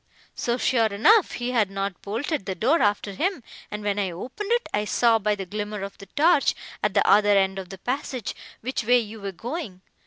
So, sure enough, he had not bolted the door after him, and, when I opened it, I saw, by the glimmer of the torch, at the other end of the passage, which way you were going.